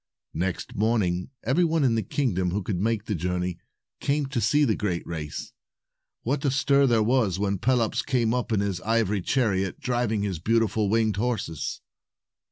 Next morning, every one in the kingdom who 264 could make the journey, came to see the great race. What a stir there was when Pelops came up in his ivory chariot, driving his beautiful winged horses!